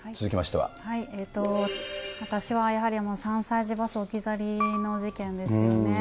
私はやはり、３歳児、バス置き去りの事件ですよね。